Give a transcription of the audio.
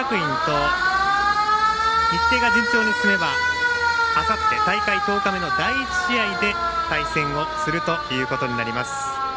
栃木の作新学院と日程が順調に進めばあさって大会１０日目の第１試合で対戦をするということになります。